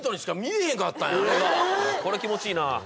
これ気持ちいいな。